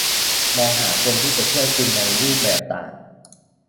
มองหาคนที่จะช่วยคุณในรูปแบบต่าง